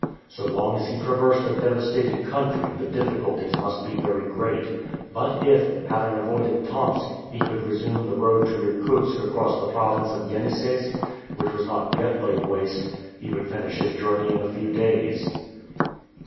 So long as he traversed a devastated country the difficulties must be very great; but if, having avoided Tomsk, he could resume the road to Irkutsk across the province of Yeniseisk, which was not yet laid waste, he would finish his journey in a few days.